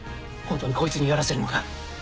ホントにこいつにやらせるのか？